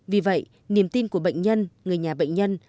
vì vậy niềm tin của bệnh nhân người nhà bệnh nhân